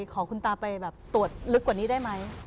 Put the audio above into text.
ขอคุณตาไปแบบตรวจลึกกว่านี้ได้ไหม